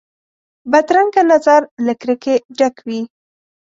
بدرنګه نظر له کرکې ډک وي